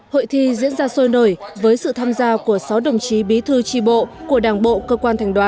hội thi diễn ra sôi nổi với sự tham gia của sáu đồng chí bí thư tri bộ của đảng bộ cơ quan thành đoàn